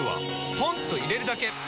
ポンと入れるだけ！